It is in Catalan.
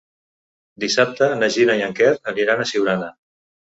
Dissabte na Gina i en Quer aniran a Siurana.